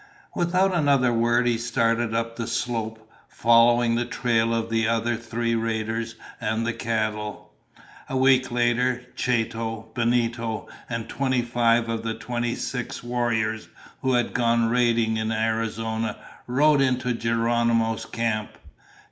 Without another word he started up the slope, following the trail of the other three raiders and the cattle. A week later Chato, Benito, and twenty five of the twenty six warriors who had gone raiding in Arizona, rode into Geronimo's camp.